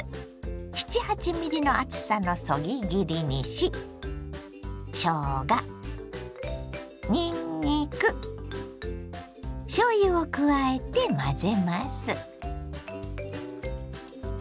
７８ｍｍの厚さのそぎ切りにししょうがにんにくしょうゆを加えて混ぜます。